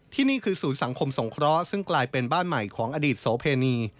นี่คือศูนย์สังคมสงเคราะห์ซึ่งกลายเป็นบ้านใหม่ของอดีตโสเพณี